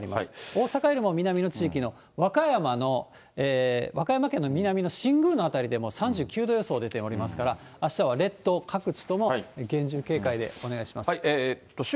大阪よりも南の地域の、和歌山の、和歌山県の南の新宮の辺りでも３９度予想出ておりますから、あしたは列島各地とも厳重警戒でお願いします。